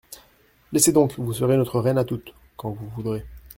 Laissez donc, vous serez notre reine à toutes, quand vous voudrez.